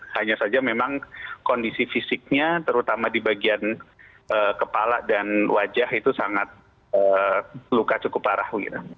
hanya saja memang kondisi fisiknya terutama di bagian kepala dan wajah itu sangat luka cukup parah